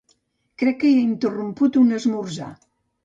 Crec que he interromput un esmorzar.